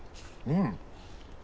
うん。